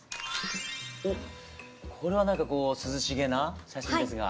おっこれはなんかこう涼しげな写真ですが。